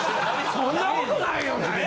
そんなことないよねぇ？